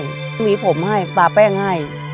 มีผมให้ปลาแป้งให้